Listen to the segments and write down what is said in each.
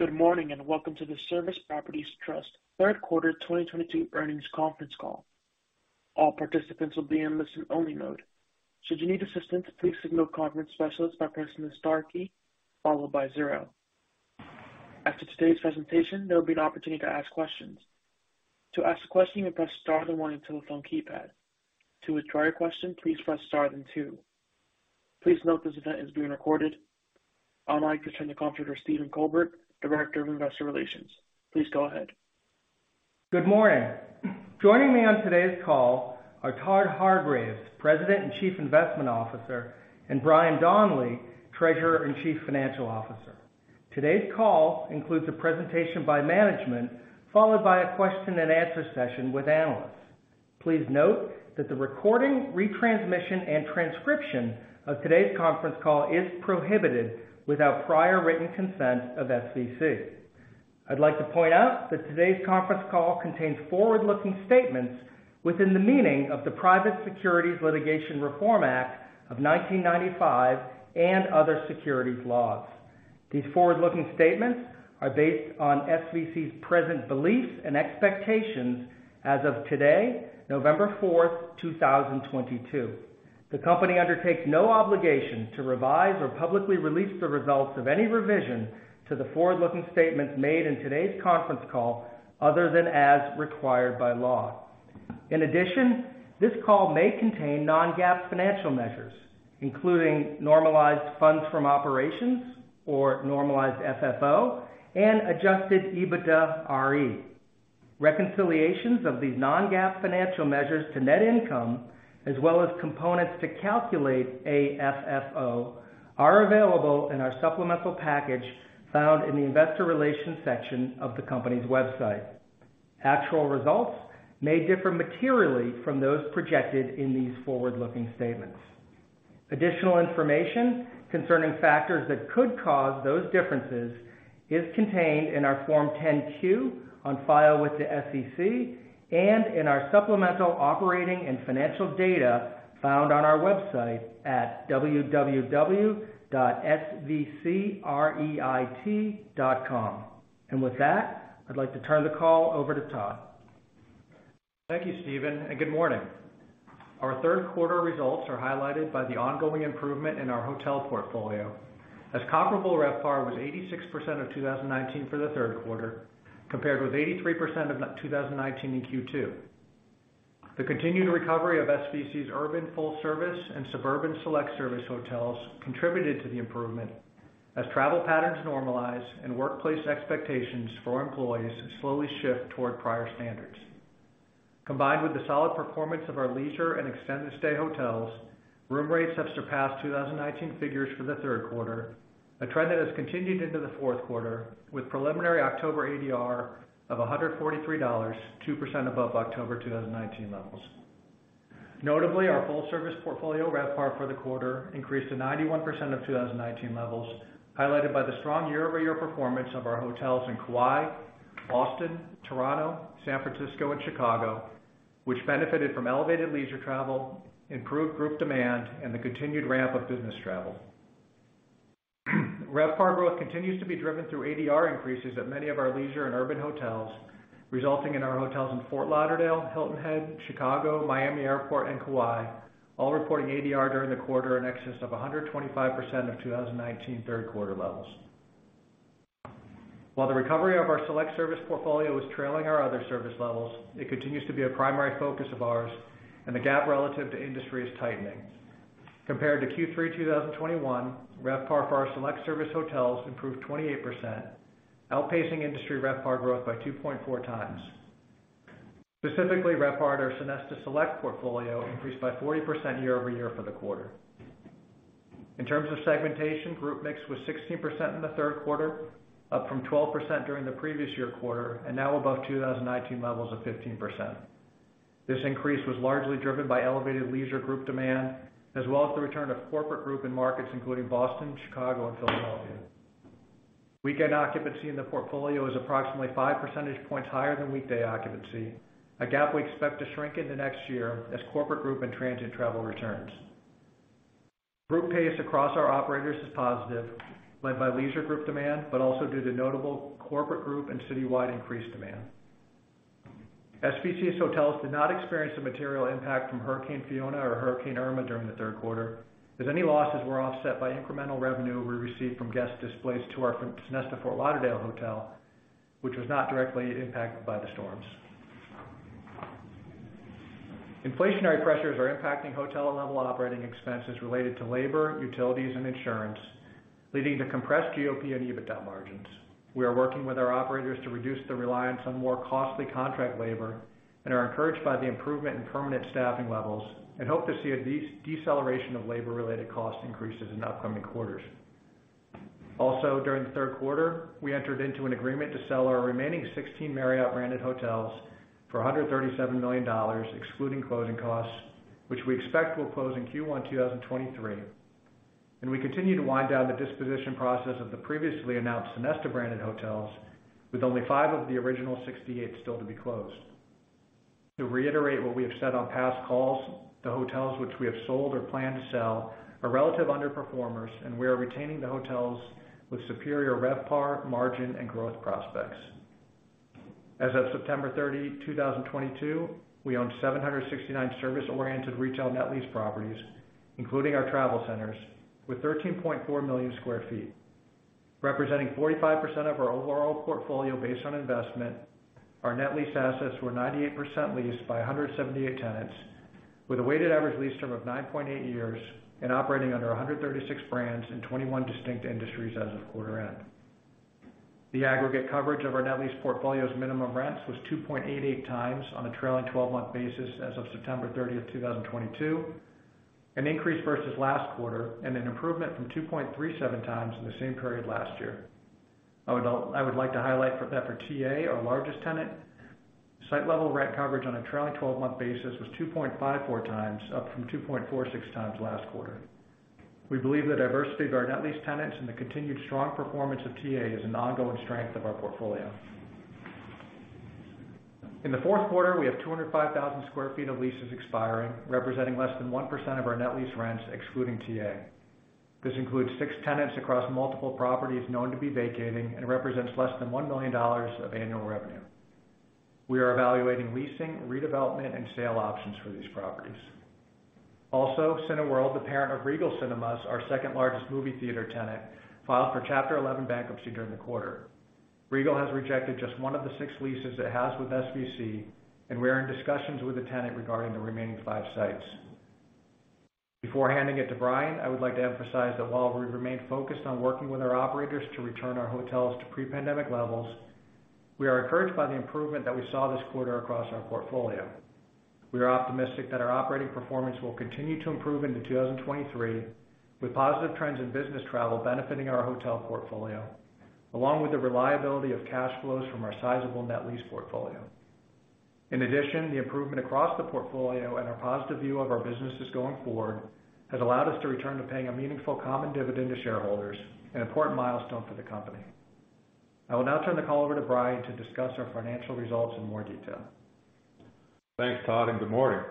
Good morning, and welcome to the Service Properties Trust third quarter 2022 earnings conference call. All participants will be in listen-only mode. Should you need assistance, please signal conference specialist by pressing the star key followed by zero. After today's presentation, there will be an opportunity to ask questions. To ask a question, you may press star then one on your telephone keypad. To withdraw your question, please press star then two. Please note this event is being recorded. I'd like to turn the conference to Stephen Colbert, Director of Investor Relations. Please go ahead. Good morning. Joining me on today's call are Todd Hargreaves, President and Chief Investment Officer, and Brian Donley, Treasurer and Chief Financial Officer. Today's call includes a presentation by management, followed by a question and answer session with analysts. Please note that the recording, retransmission, and transcription of today's conference call is prohibited without prior written consent of SVC. I'd like to point out that today's conference call contains forward-looking statements within the meaning of the Private Securities Litigation Reform Act of 1995 and other securities laws. These forward-looking statements are based on SVC's present beliefs and expectations as of today, November 4, 2022. The company undertakes no obligation to revise or publicly release the results of any revision to the forward-looking statements made in today's conference call other than as required by law. In addition, this call may contain non-GAAP financial measures, including normalized funds from operations or normalized FFO and Adjusted EBITDAre. Reconciliations of these non-GAAP financial measures to net income, as well as components to calculate AFFO, are available in our supplemental package found in the Investor Relations section of the company's website. Actual results may differ materially from those projected in these forward-looking statements. Additional information concerning factors that could cause those differences is contained in our Form 10-Q on file with the SEC and in our supplemental operating and financial data found on our website at www.svcreit.com. With that, I'd like to turn the call over to Todd. Thank you, Stephen, and good morning. Our third quarter results are highlighted by the ongoing improvement in our hotel portfolio, as comparable RevPAR was 86% of 2019 for the third quarter, compared with 83% of 2019 in Q2. The continued recovery of SVC's urban full service and suburban select service hotels contributed to the improvement as travel patterns normalize and workplace expectations for employees slowly shift toward prior standards. Combined with the solid performance of our leisure and extended stay hotels, room rates have surpassed 2019 figures for the third quarter, a trend that has continued into the fourth quarter, with preliminary October ADR of $143, 2% above October 2019 levels. Notably, our full service portfolio RevPAR for the quarter increased to 91% of 2019 levels, highlighted by the strong year-over-year performance of our hotels in Kaua'i, Austin, Toronto, San Francisco, and Chicago, which benefited from elevated leisure travel, improved group demand, and the continued ramp of business travel. RevPAR growth continues to be driven through ADR increases at many of our leisure and urban hotels, resulting in our hotels in Fort Lauderdale, Hilton Head, Chicago, Miami Airport, and Kaua'i all reporting ADR during the quarter in excess of 125% of 2019 third quarter levels. While the recovery of our select service portfolio is trailing our other service levels, it continues to be a primary focus of ours, and the gap relative to industry is tightening. Compared to Q3 2021, RevPAR for our select service hotels improved 28%, outpacing industry RevPAR growth by 2.4x. Specifically, RevPAR at our Sonesta Select portfolio increased by 40% year-over-year for the quarter. In terms of segmentation, group mix was 16% in the third quarter, up from 12% during the previous year quarter and now above 2019 levels of 15%. This increase was largely driven by elevated leisure group demand as well as the return of corporate group in markets including Boston, Chicago, and Philadelphia. Weekend occupancy in the portfolio is approximately five percentage points higher than weekday occupancy, a gap we expect to shrink in the next year as corporate group and transient travel returns. Group pace across our operators is positive, led by leisure group demand but also due to notable corporate group and citywide increased demand. SVC's hotels did not experience a material impact from Hurricane Fiona or Hurricane Ian during the third quarter, as any losses were offset by incremental revenue we received from guests displaced to our Sonesta Fort Lauderdale hotel, which was not directly impacted by the storms. Inflationary pressures are impacting hotel level operating expenses related to labor, utilities, and insurance, leading to compressed GOP and EBITDA margins. We are working with our operators to reduce the reliance on more costly contract labor and are encouraged by the improvement in permanent staffing levels and hope to see a de-deceleration of labor-related cost increases in upcoming quarters. Also, during the third quarter, we entered into an agreement to sell our remaining 16 Marriott branded hotels for $137 million, excluding closing costs, which we expect will close in Q1 2023. We continue to wind down the disposition process of the previously announced Sonesta branded hotels with only 5 of the original 68 still to be closed. To reiterate what we have said on past calls, the hotels which we have sold or plan to sell are relative underperformers, and we are retaining the hotels with superior RevPAR, margin, and growth prospects. As of September 30, 2022, we own 769 service-oriented retail net lease properties, including our travel centers, with 13.4 million sq ft. Representing 45% of our overall portfolio based on investment, our net lease assets were 98% leased by 178 tenants with a weighted average lease term of 9.8 years and operating under 136 brands in 21 distinct industries as of quarter end. The aggregate coverage of our net lease portfolio's minimum rents was 2.88x on a trailing twelve-month basis as of September 30, 2022, an increase versus last quarter and an improvement from 2.37x in the same period last year. I would like to highlight that for TA, our largest tenant, site level rent coverage on a trailing twelve-month basis was 2.54x, up from 2.46x last quarter. We believe the diversity of our net lease tenants and the continued strong performance of TA is an ongoing strength of our portfolio. In the fourth quarter, we have 205,000 sq ft of leases expiring, representing less than 1% of our net lease rents excluding TA. This includes six tenants across multiple properties known to be vacating and represents less than $1 million of annual revenue. We are evaluating leasing, redevelopment, and sale options for these properties. Also, Cineworld, the parent of Regal Cinemas, our second-largest movie theater tenant, filed for Chapter 11 bankruptcy during the quarter. Regal has rejected just one of the six leases it has with SVC, and we are in discussions with the tenant regarding the remaining five sites. Before handing it to Brian, I would like to emphasize that while we remain focused on working with our operators to return our hotels to pre-pandemic levels, we are encouraged by the improvement that we saw this quarter across our portfolio. We are optimistic that our operating performance will continue to improve into 2023, with positive trends in business travel benefiting our hotel portfolio, along with the reliability of cash flows from our sizable net lease portfolio. In addition, the improvement across the portfolio and our positive view of our businesses going forward has allowed us to return to paying a meaningful common dividend to shareholders, an important milestone for the company. I will now turn the call over to Brian to discuss our financial results in more detail. Thanks, Todd, and good morning.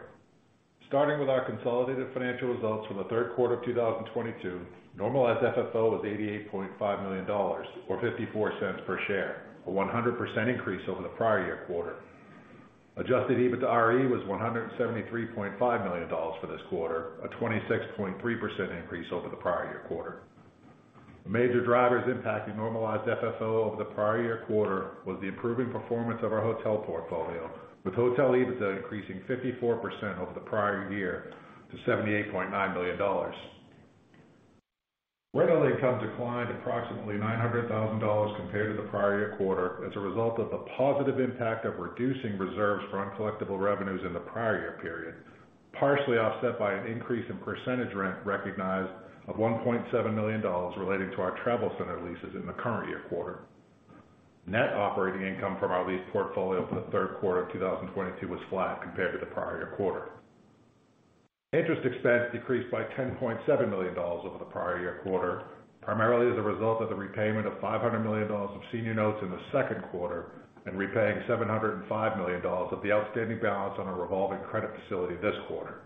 Starting with our consolidated financial results for the third quarter of 2022, normalized FFO was $88.5 million or $0.54 per share, a 100% increase over the prior year quarter. Adjusted EBITDA was $173.5 million for this quarter, a 26.3% increase over the prior year quarter. The major drivers impacting normalized FFO over the prior year quarter was the improving performance of our hotel portfolio, with hotel EBITDA increasing 54% over the prior year to $78.9 million. Rent income declined approximately $900,000 compared to the prior year quarter as a result of the positive impact of reducing reserves for uncollectible revenues in the prior year period, partially offset by an increase in percentage rent recognized of $1.7 million relating to our travel center leases in the current year quarter. Net operating income from our lease portfolio for the third quarter of 2022 was flat compared to the prior year quarter. Interest expense decreased by $10.7 million over the prior year quarter, primarily as a result of the repayment of $500 million of senior notes in the second quarter and repaying $705 million of the outstanding balance on our revolving credit facility this quarter.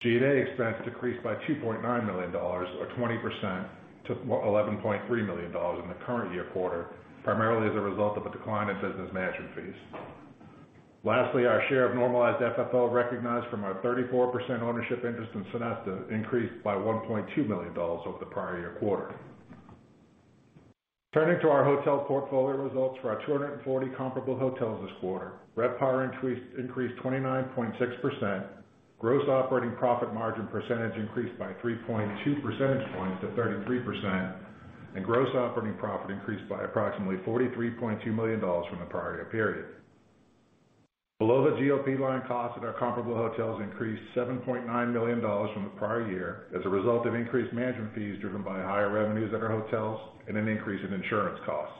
G&A expense decreased by $2.9 million or 20% to $11.3 million in the current year quarter, primarily as a result of a decline in business management fees. Lastly, our share of normalized FFO recognized from our 34% ownership interest in Sonesta increased by $1.2 million over the prior year quarter. Turning to our hotel portfolio results for our 240 comparable hotels this quarter, RevPAR increased 29.6%, gross operating profit margin percentage increased by 3.2 percentage points to 33%, and gross operating profit increased by approximately $43.2 million from the prior year period. Below the GOP line, costs at our comparable hotels increased $7.9 million from the prior year as a result of increased management fees driven by higher revenues at our hotels and an increase in insurance costs.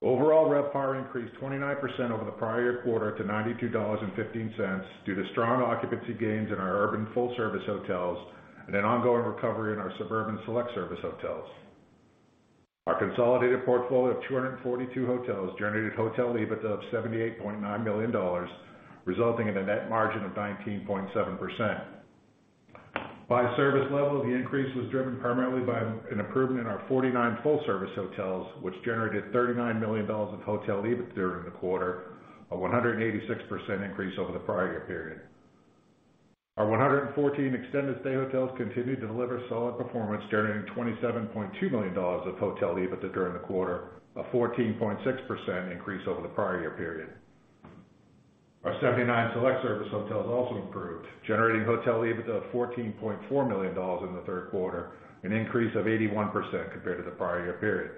Overall, RevPAR increased 29% over the prior year quarter to $92.15 due to strong occupancy gains in our urban full-service hotels and an ongoing recovery in our suburban select service hotels. Our consolidated portfolio of 242 hotels generated hotel EBITDA of $78.9 million, resulting in a net margin of 19.7%. By service level, the increase was driven primarily by an improvement in our 49 full-service hotels, which generated $39 million of hotel EBITDA in the quarter, a 186% increase over the prior year period. Our 114 extended stay hotels continued to deliver solid performance, generating $27.2 million of hotel EBITDA during the quarter, a 14.6% increase over the prior year period. Our 79 select service hotels also improved, generating hotel EBITDA of $14.4 million in the third quarter, an increase of 81% compared to the prior year period.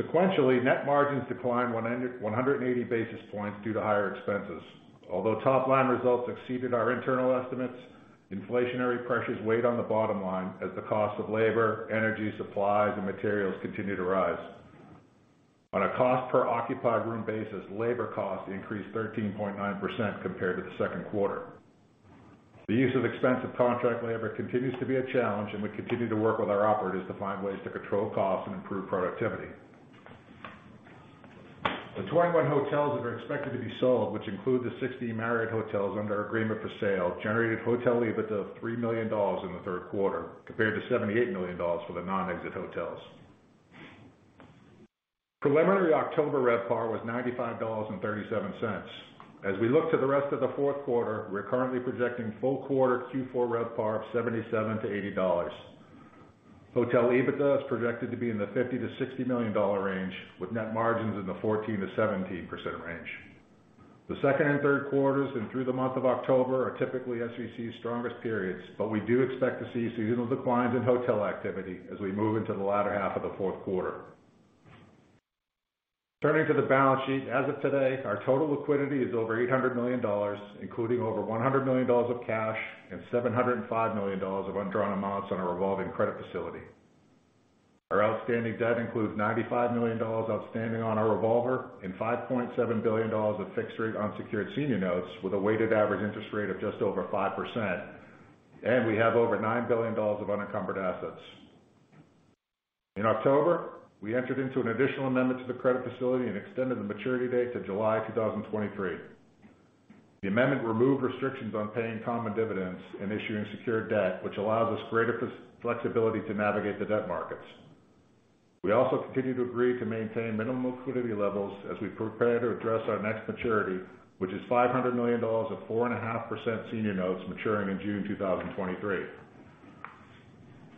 Sequentially, net margins declined 180 basis points due to higher expenses. Although top-line results exceeded our internal estimates, inflationary pressures weighed on the bottom line as the cost of labor, energy, supplies, and materials continued to rise. On a cost per occupied room basis, labor costs increased 13.9% compared to the second quarter. The use of expensive contract labor continues to be a challenge, and we continue to work with our operators to find ways to control costs and improve productivity. The 21 hotels that are expected to be sold, which include the 60 Marriott hotels under agreement for sale, generated hotel EBITDA of $3 million in the third quarter, compared to $78 million for the non-exit hotels. Preliminary October RevPAR was $95.37. As we look to the rest of the fourth quarter, we're currently projecting full quarter Q4 RevPAR of $77-$80. Hotel EBITDA is projected to be in the $50-$60 million range, with net margins in the 14%-17% range. The second and third quarters and through the month of October are typically SVC's strongest periods, but we do expect to see seasonal declines in hotel activity as we move into the latter half of the fourth quarter. Turning to the balance sheet. As of today, our total liquidity is over $800 million, including over $100 million of cash and $705 million of undrawn amounts on our revolving credit facility. Our outstanding debt includes $95 million outstanding on our revolver and $5.7 billion of fixed-rate unsecured senior notes with a weighted average interest rate of just over 5%. We have over $9 billion of unencumbered assets. In October, we entered into an additional amendment to the credit facility and extended the maturity date to July 2023. The amendment removed restrictions on paying common dividends and issuing secured debt, which allows us greater flexibility to navigate the debt markets. We also continue to agree to maintain minimal liquidity levels as we prepare to address our next maturity, which is $500 million of 4.5% senior notes maturing in June 2023.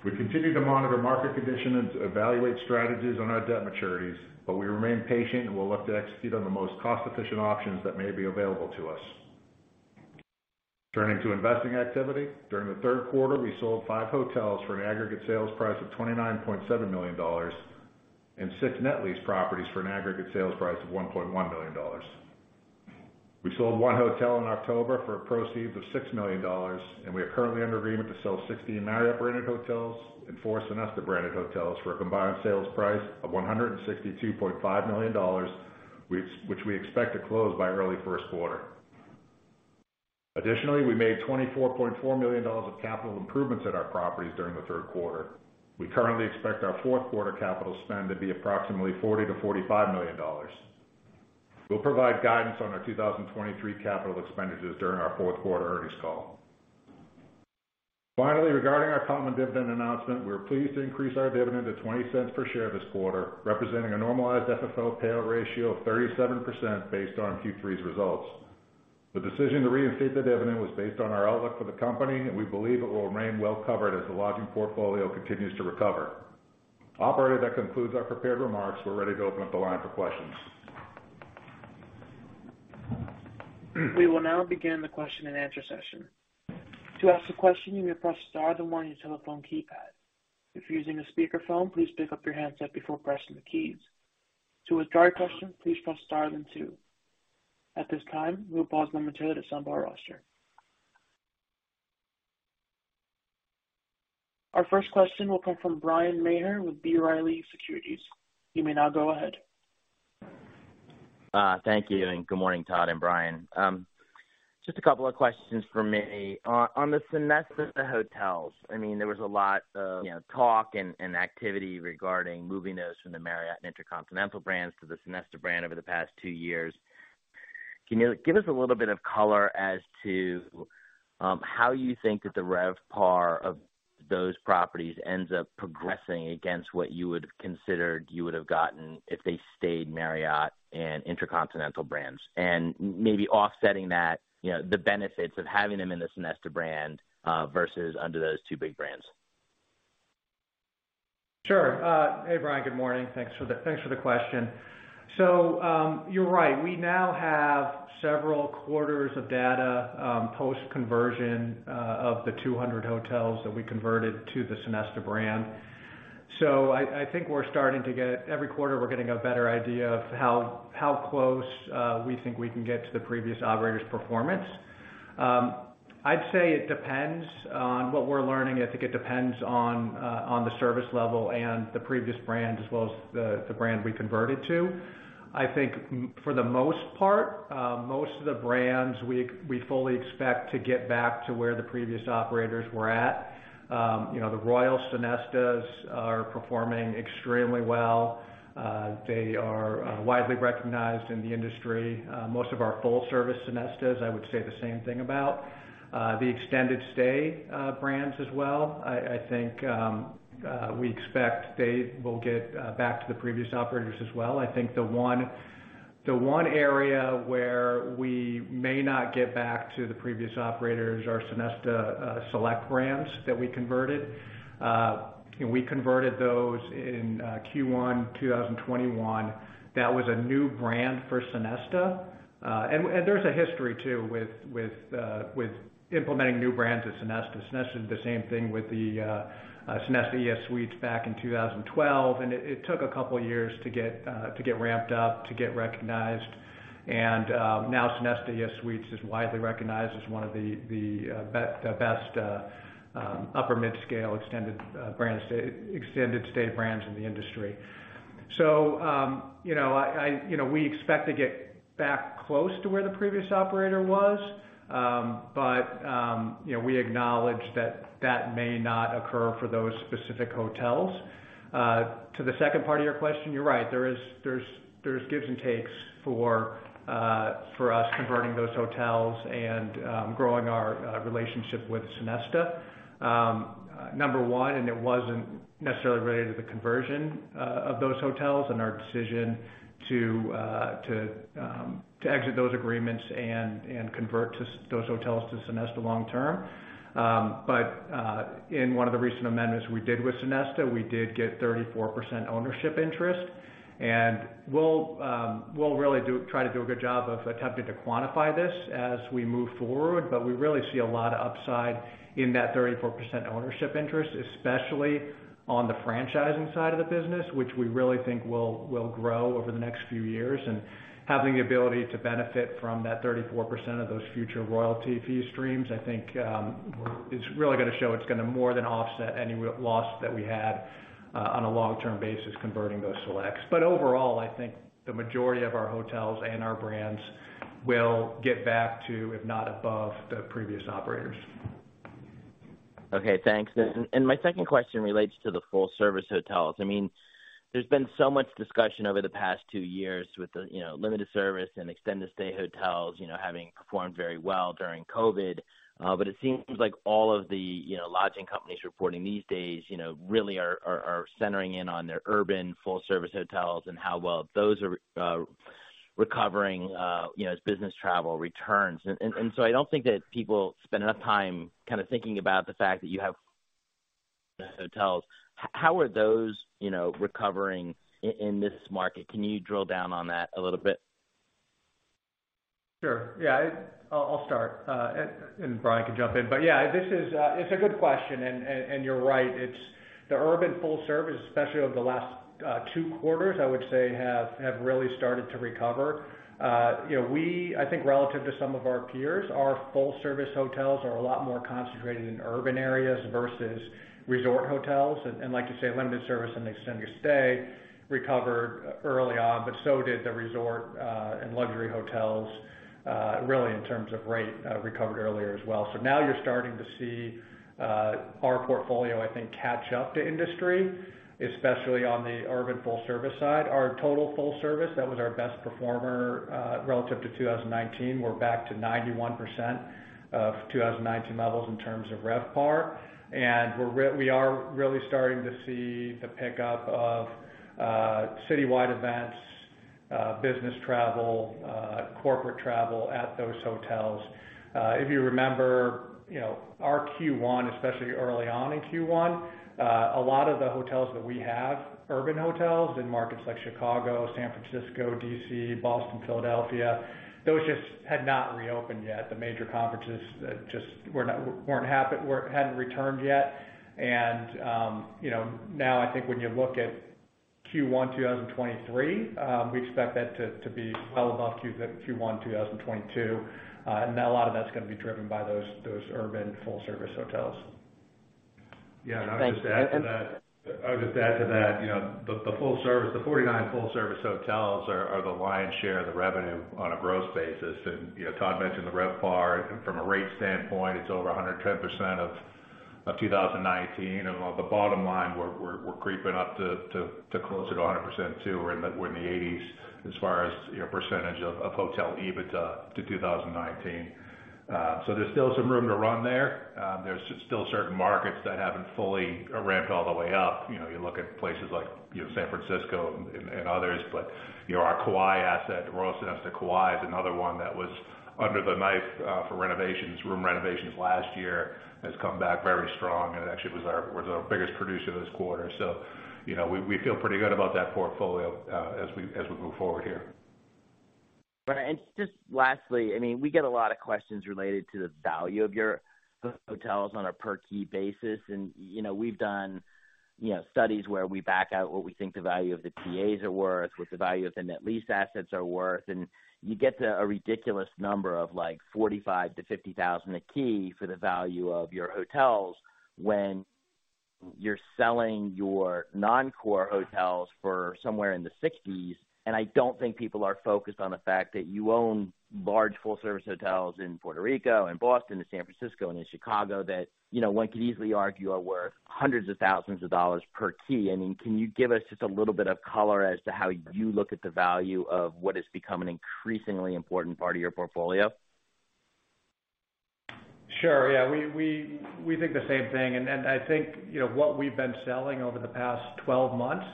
We continue to monitor market conditions, evaluate strategies on our debt maturities, but we remain patient and will look to execute on the most cost-efficient options that may be available to us. Turning to investing activity. During the third quarter, we sold five hotels for an aggregate sales price of $29.7 million and six net lease properties for an aggregate sales price of $1.1 million. We sold 1 hotel in October for proceeds of $6 million, and we are currently under agreement to sell 60 Marriott-branded hotels and 4 Sonesta-branded hotels for a combined sales price of $162.5 million, which we expect to close by early first quarter. Additionally, we made $24.4 million of capital improvements at our properties during the third quarter. We currently expect our fourth quarter capital spend to be approximately $40-$45 million. We'll provide guidance on our 2023 capital expenditures during our fourth quarter earnings call. Finally, regarding our common dividend announcement, we are pleased to increase our dividend to $0.20 per share this quarter, representing a Normalized FFO payout ratio of 37% based on Q3's results. The decision to reinstate the dividend was based on our outlook for the company, and we believe it will remain well covered as the lodging portfolio continues to recover. Operator, that concludes our prepared remarks. We're ready to open up the line for questions. We will now begin the question and answer session. To ask a question, you may press star then one on your telephone keypad. If you're using a speakerphone, please pick up your handset before pressing the keys. To withdraw your question, please press star then two. At this time, we will pause momentarily to assemble our roster. Our first question will come from Bryan Maher with B. Riley Securities. You may now go ahead. Thank you, and good morning, Todd and Brian. Just a couple of questions from me. On the Sonesta hotels, I mean, there was a lot of, you know, talk and activity regarding moving those from the Marriott InterContinental brands to the Sonesta brand over the past two years. Can you give us a little bit of color as to how you think that the RevPAR of those properties ends up progressing against what you would have considered you would have gotten if they stayed Marriott and InterContinental brands? Maybe offsetting that, you know, the benefits of having them in the Sonesta brand versus under those two big brands. Sure. Hey, Brian. Good morning. Thanks for the question. You're right. We now have several quarters of data, post-conversion, of the 200 hotels that we converted to the Sonesta brand. I think we're starting to get. Every quarter, we're getting a better idea of how close we think we can get to the previous operator's performance. I'd say it depends on what we're learning. I think it depends on the service level and the previous brand as well as the brand we converted to. I think for the most part, most of the brands we fully expect to get back to where the previous operators were at. You know, the Royal Sonesta are performing extremely well. They are widely recognized in the industry. Most of our full-service Sonestas, I would say the same thing about. The extended stay brands as well, I think, we expect they will get back to the previous operators as well. I think the one area where we may not get back to the previous operators are Sonesta Select brands that we converted. We converted those in Q1 2021. That was a new brand for Sonesta. There's a history, too, with implementing new brands at Sonesta. Sonesta did the same thing with the Sonesta ES Suites back in 2012, and it took a couple of years to get ramped up, to get recognized. Now Sonesta ES Suites is widely recognized as one of the best upper mid-scale extended stay brands in the industry. You know, we expect to get back close to where the previous operator was. You know, we acknowledge that may not occur for those specific hotels. To the second part of your question, you're right. There's gives and takes for us converting those hotels and growing our relationship with Sonesta. Number one, it wasn't necessarily related to the conversion of those hotels and our decision to exit those agreements and convert those hotels to Sonesta long term. In one of the recent amendments we did with Sonesta, we did get 34% ownership interest. We'll really try to do a good job of attempting to quantify this as we move forward. We really see a lot of upside in that 34% ownership interest, especially on the franchising side of the business, which we really think will grow over the next few years. Having the ability to benefit from that 34% of those future royalty fee streams, I think, is really gonna show it's gonna more than offset any re-loss that we had, on a long-term basis converting those Sonesta Selects. Overall, I think the majority of our hotels and our brands will get back to, if not above, the previous operators. Okay, thanks. My second question relates to the full service hotels. I mean, there's been so much discussion over the past two years with the, you know, limited service and extended stay hotels, you know, having performed very well during COVID. But it seems like all of the, you know, lodging companies reporting these days, you know, really are centering in on their urban full service hotels and how well those are recovering, you know, as business travel returns. I don't think that people spend enough time kind of thinking about the fact that you have hotels. How are those, you know, recovering in this market? Can you drill down on that a little bit? Sure. Yeah, I'll start, and Brian can jump in. Yeah, this is. It's a good question, and you're right. It's the urban full service, especially over the last two quarters, I would say, have really started to recover. You know, I think relative to some of our peers, our full service hotels are a lot more concentrated in urban areas versus resort hotels. Like you say, limited service and extended stay recovered early on, but so did the resort and luxury hotels really in terms of rate recovered earlier as well. Now you're starting to see our portfolio, I think, catch up to industry, especially on the urban full service side. Our total full service, that was our best performer relative to 2019. We're back to 91% of 2019 levels in terms of RevPAR. We're really starting to see the pickup of citywide events, business travel, corporate travel at those hotels. If you remember, you know, our Q1, especially early on in Q1, a lot of the hotels that we have, urban hotels in markets like Chicago, San Francisco, D.C., Boston, Philadelphia, those just had not reopened yet. The major conferences just hadn't returned yet. Now I think when you look at Q1 2023, we expect that to be well above Q1 2022. A lot of that's gonna be driven by those urban full service hotels. Thank you. Yeah. I'll just add to that. You know, the full service, the 49 full service hotels are the lion's share of the revenue on a growth basis. You know, Todd mentioned the RevPAR. From a rate standpoint, it's over 100% of 2019. On the bottom line, we're creeping up to closer to 100% too. We're in the 80s as far as, you know, percentage of hotel EBITDA to 2019. So there's still some room to run there. There's still certain markets that haven't fully ramped all the way up. You know, you look at places like, you know, San Francisco and others. You know, our Kaua'i asset, Royal Sonesta Kaua'i, is another one that was under the knife for renovations, room renovations last year. Has come back very strong, and it actually was our biggest producer this quarter. You know, we feel pretty good about that portfolio as we move forward here. Right. Just lastly, I mean, we get a lot of questions related to the value of your hotels on a per key basis. You know, we've done, you know, studies where we back out what we think the value of the TAs are worth, what the value of the net lease assets are worth. You get to a ridiculous number of like $45,000-$50,000 a key for the value of your hotels when you're selling your non-core hotels for somewhere in the 60s. I don't think people are focused on the fact that you own large full service hotels in Puerto Rico and Boston and San Francisco and in Chicago that, you know, one could easily argue are worth hundreds of thousands of dollars per key. I mean, can you give us just a little bit of color as to how you look at the value of what has become an increasingly important part of your portfolio? Sure. Yeah. We think the same thing. I think, you know, what we've been selling over the past 12 months,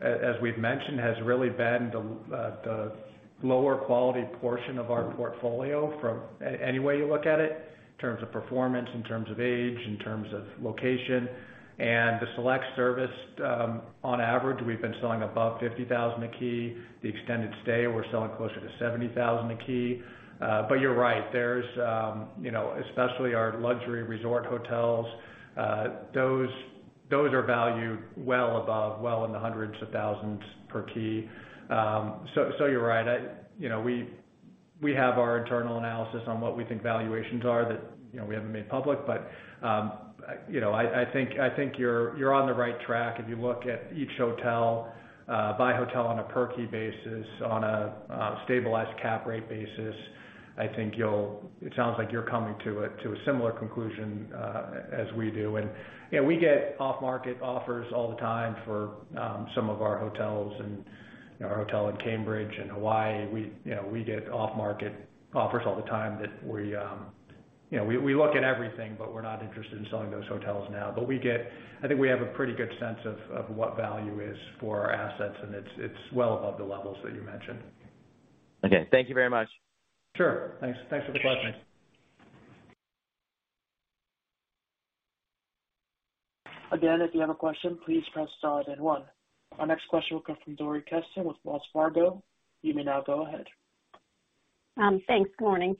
as we've mentioned, has really been the lower quality portion of our portfolio from any way you look at it, in terms of performance, in terms of age, in terms of location. The select service, on average, we've been selling above $50,000 a key. The extended stay, we're selling closer to $70,000 a key. But you're right. There's, you know, especially our luxury resort hotels, those are valued well above, well in the hundreds of thousands per key. So you're right. We have our internal analysis on what we think valuations are that you know, we haven't made public. You know, I think you're on the right track. If you look at each hotel by hotel on a per key basis, on a stabilized cap rate basis, I think. It sounds like you're coming to a similar conclusion as we do. You know, we get off-market offers all the time for some of our hotels and you know, our hotel in Cambridge and Hawaii. You know, we get off-market offers all the time that we you know, we look at everything, but we're not interested in selling those hotels now. We get. I think we have a pretty good sense of what value is for our assets, and it's well above the levels that you mentioned. Okay. Thank you very much. Sure. Thanks for the question. Again, if you have a question, please press star then one. Our next question will come from Dori Kesten with Wells Fargo. You may now go ahead. Thanks. Good morning.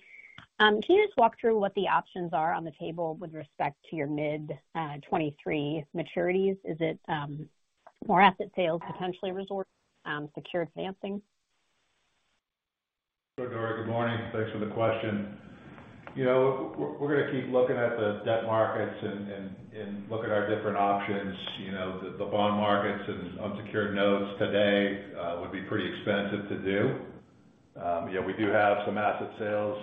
Can you just walk through what the options are on the table with respect to your mid-2023 maturities? Is it more asset sales, potentially resort secured financing? Sure Dori, good morning. Thanks for the question. You know, we're gonna keep looking at the debt markets and look at our different options. You know, the bond markets and unsecured notes today would be pretty expensive to do. You know, we do have some asset sales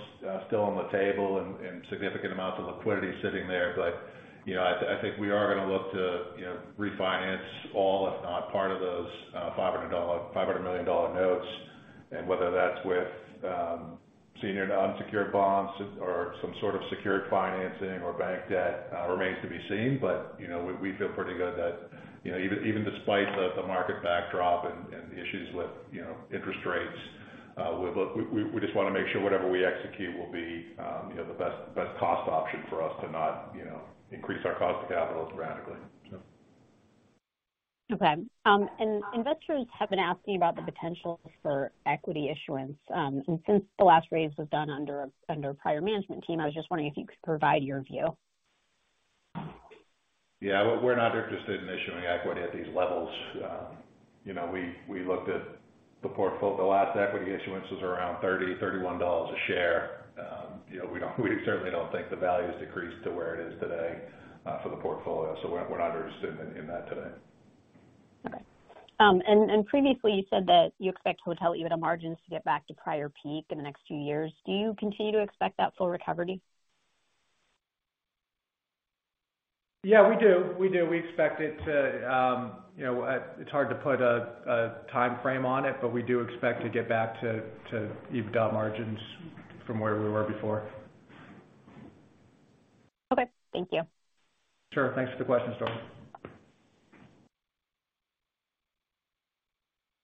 still on the table and significant amounts of liquidity sitting there. But you know, I think we are gonna look to refinance all, if not part of those $500 million notes. Whether that's with senior unsecured bonds or some sort of secured financing or bank debt remains to be seen. you know, we feel pretty good that, you know, even despite the market backdrop and the issues with, you know, interest rates, we just wanna make sure whatever we execute will be, you know, the best cost option for us to not, you know, increase our cost of capital dramatically so. Okay. Investors have been asking about the potential for equity issuance. Since the last raise was done under prior management team, I was just wondering if you could provide your view. Yeah. We're not interested in issuing equity at these levels. You know, we looked at the last equity issuance was around $30-$31 a share. You know, we certainly don't think the value has decreased to where it is today for the portfolio, so we're not interested in that today. Okay. Previously you said that you expect hotel EBITDA margins to get back to prior peak in the next two years. Do you continue to expect that full recovery? Yeah, we do. We expect it to, you know, it's hard to put a timeframe on it, but we do expect to get back to EBITDA margins from where we were before. Okay. Thank you. Sure. Thanks for the question, Dori.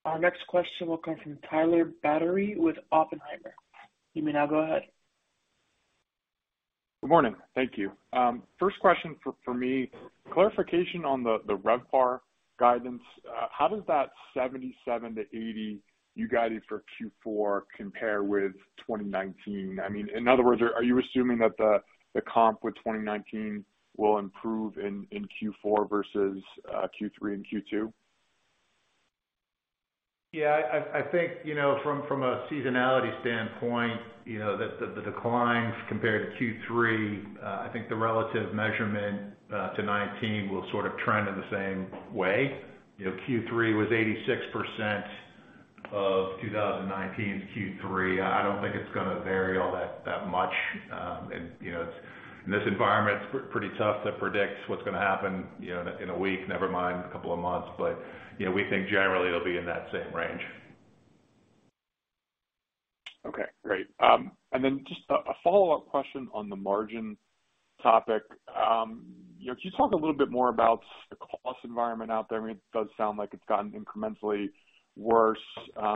Our next question will come from Tyler Batory with Oppenheimer. You may now go ahead. Good morning. Thank you. First question for me, clarification on the RevPAR guidance. How does that $77-$80 you guided for Q4 compare with 2019? I mean, in other words, are you assuming that the comp with 2019 will improve in Q4 versus Q3 and Q2? Yeah, I think, you know, from a seasonality standpoint, you know, the declines compared to Q3, I think the relative measurement to 2019 will sort of trend in the same way. You know, Q3 was 86% of 2019's Q3. I don't think it's gonna vary all that much. You know, it's in this environment, it's pretty tough to predict what's gonna happen, you know, in a week, never mind a couple of months. You know, we think generally it'll be in that same range. Okay, great. Just a follow-up question on the margin topic. You know, can you talk a little bit more about the cost environment out there? I mean, it does sound like it's gotten incrementally worse.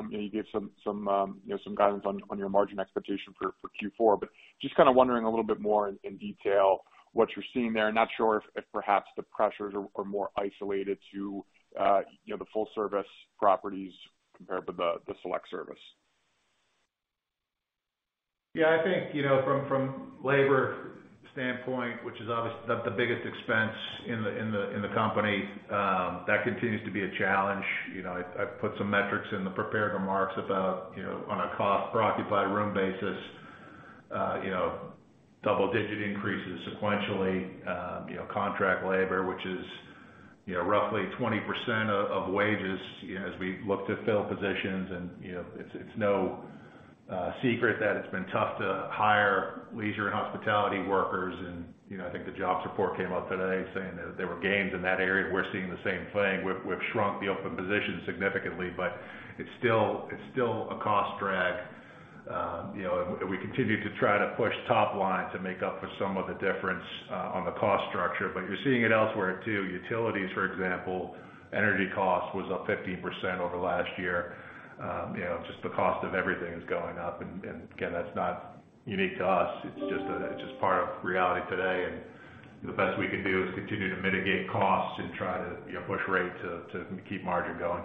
You gave some you know, some guidance on your margin expectation for Q4. Just kinda wondering a little bit more in detail what you're seeing there. Not sure if perhaps the pressures are more isolated to you know, the full service properties compared with the select service. Yeah, I think, you know, from labor standpoint, which is obviously the biggest expense in the company, that continues to be a challenge. You know, I put some metrics in the prepared remarks about, you know, on a cost per occupied room basis, you know, double-digit increases sequentially. You know, contract labor, which is, you know, roughly 20% of wages, you know, as we look to fill positions and, you know, it's no secret that it's been tough to hire leisure and hospitality workers. You know, I think the jobs report came out today saying that there were gains in that area. We're seeing the same thing. We've shrunk the open positions significantly, but it's still a cost drag. You know, we continue to try to push top line to make up for some of the difference on the cost structure. You're seeing it elsewhere too. Utilities, for example, energy costs was up 15% over last year. You know, just the cost of everything is going up and again, that's not unique to us. It's just part of reality today, and the best we can do is continue to mitigate costs and try to, you know, push rate to keep margin going.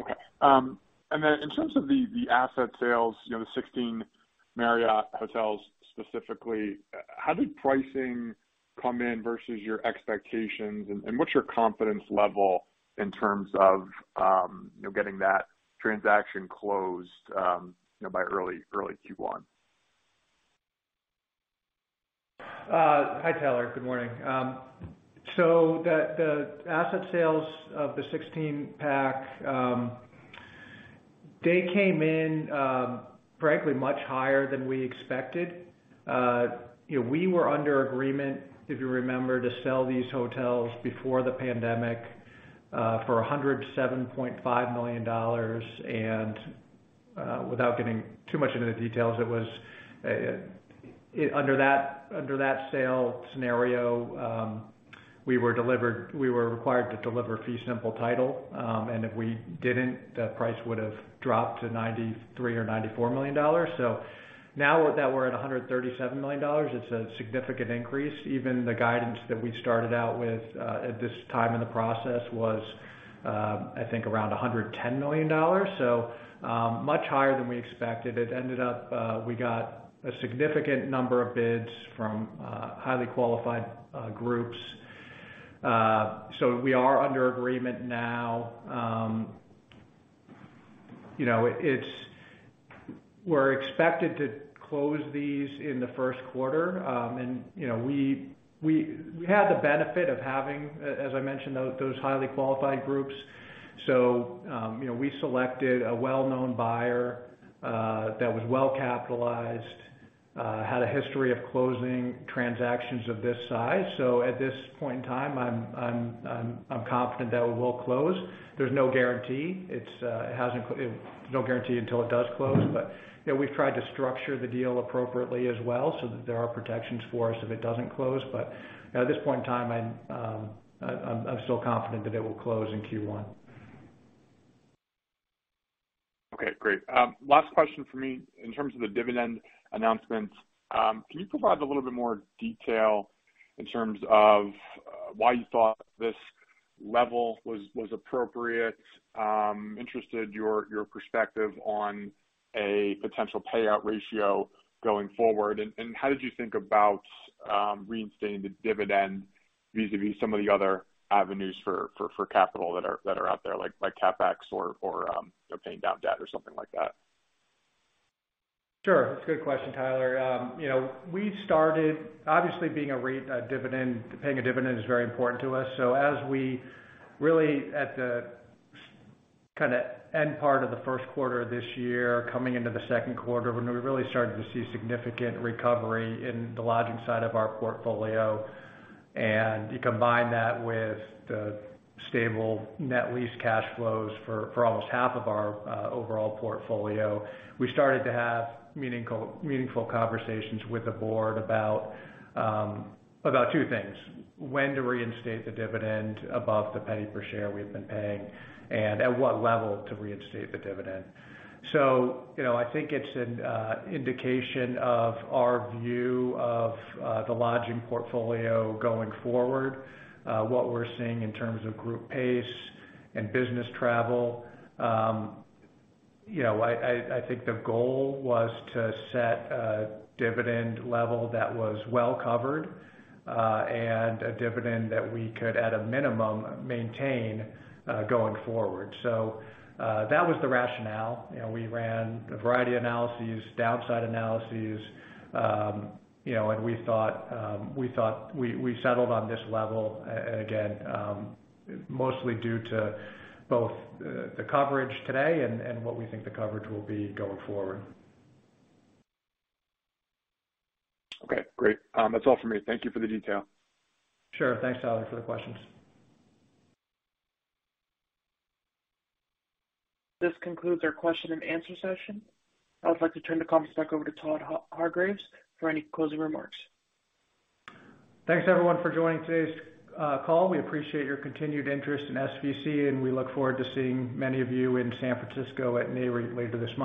Okay. In terms of the asset sales, you know, the 16 Marriott Hotels specifically, how did pricing come in versus your expectations? What's your confidence level in terms of, you know, getting that transaction closed, you know, by early Q1? Hi, Tyler. Good morning. The asset sales of the 16-pack, they came in, frankly, much higher than we expected. You know, we were under agreement, if you remember, to sell these hotels before the pandemic for $107.5 million. Without getting too much into the details, it was under that sale scenario we were required to deliver fee simple title. If we didn't, the price would've dropped to $93 million or $94 million. Now that we're at $137 million, it's a significant increase. Even the guidance that we started out with at this time in the process was, I think, around $110 million. Much higher than we expected. It ended up we got a significant number of bids from highly qualified groups. We are under agreement now. You know, we're expected to close these in the first quarter. You know, we had the benefit of having, as I mentioned, those highly qualified groups. You know, we selected a well-known buyer that was well capitalized, had a history of closing transactions of this size. At this point in time, I'm confident that we will close. There's no guarantee. No guarantee until it does close. You know, we've tried to structure the deal appropriately as well, so that there are protections for us if it doesn't close. You know, at this point in time, I'm still confident that it will close in Q1. Okay, great. Last question for me. In terms of the dividend announcement, can you provide a little bit more detail in terms of why you thought this level was appropriate? I'm interested in your perspective on a potential payout ratio going forward. How did you think about reinstating the dividend vis-à-vis some of the other avenues for capital that are out there, like CapEx or you know, paying down debt or something like that? Sure. Good question, Tyler. You know, we started obviously being a REIT, paying a dividend is very important to us. As we were really at the sort of end part of the first quarter of this year, coming into the second quarter, when we really started to see significant recovery in the lodging side of our portfolio, and you combine that with the stable net lease cash flows for almost half of our overall portfolio, we started to have meaningful conversations with the board about two things, when to reinstate the dividend above the penny per share we've been paying, and at what level to reinstate the dividend. You know, I think it's an indication of our view of the lodging portfolio going forward, what we're seeing in terms of group pace and business travel. I think the goal was to set a dividend level that was well covered, and a dividend that we could at a minimum maintain, going forward. That was the rationale. You know, we ran a variety of analyses, downside analyses, you know, and we thought we settled on this level again, mostly due to both the coverage today and what we think the coverage will be going forward. Okay, great. That's all for me. Thank you for the detail. Sure. Thanks, Tyler, for the questions. This concludes our question and answer session. I would like to turn the call back over to Todd Hargreaves for any closing remarks. Thanks, everyone, for joining today's call. We appreciate your continued interest in SVC, and we look forward to seeing many of you in San Francisco at Nareit later this month.